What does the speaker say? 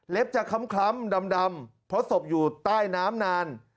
จะคล้ำดำเพราะศพอยู่ใต้น้ำนาน